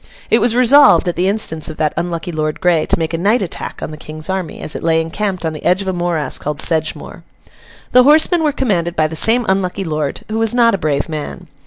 It was resolved, at the instance of that unlucky Lord Grey, to make a night attack on the King's army, as it lay encamped on the edge of a morass called Sedgemoor. The horsemen were commanded by the same unlucky lord, who was not a brave man.